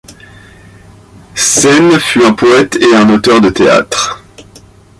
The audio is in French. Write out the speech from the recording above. Szenes fut un poète et un auteur de théâtre.